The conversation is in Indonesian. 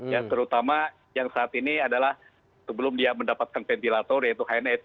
ya terutama yang saat ini adalah sebelum dia mendapatkan ventilator yaitu hnights